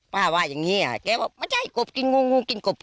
ว่าอย่างนี้แกบอกไม่ใช่กบกินงูงูกินกบ